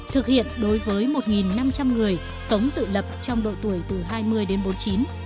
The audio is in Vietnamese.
thực hiện đối với một năm trăm linh người sống tự lập trong độ tuổi từ hai mươi đến bốn mươi chín